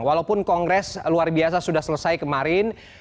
walaupun kongres luar biasa sudah selesai kemarin